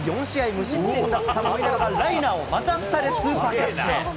無失点だったモイネロが、ライナーを股下でスーパーキャッチ。